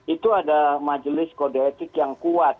itu ada majelis kode etik yang kuat